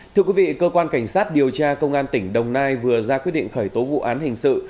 thưa quý vị cơ quan cảnh sát điều tra công an tỉnh đồng nai vừa ra quyết định khởi tố vụ án hình sự